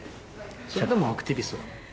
それでもアクティビスト。